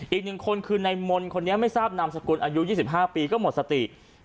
อีกหนึ่งคนคือในมนต์คนนี้ไม่ทราบนามสกุลอายุ๒๕ปีก็หมดสติ